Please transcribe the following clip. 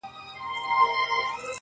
• په کمزوري لښکر ګډه سوله ماته -